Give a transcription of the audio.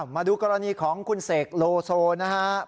มาดูกรณีของคุณเสกโลโซนะครับ